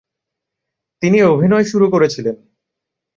তিনি অভিনয় শুরু করেছিলেন।